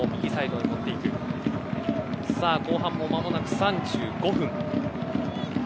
後半も間もなく３５分。